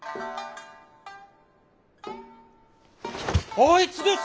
あいつです！